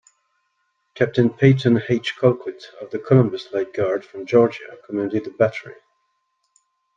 Captain Peyton H. Colquitt of the Columbus Light Guard from Georgia commanded the battery.